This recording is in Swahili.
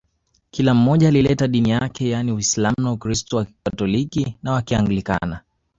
Kila mmoja alileta dini yake yaani Uislamu na Ukristo wa Kikatoliki na wa Kianglikana